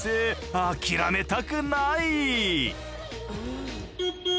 諦めたくない。